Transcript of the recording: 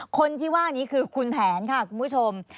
คนที่ว่านี้คือคุณแผนค่ะคุณผู้ชม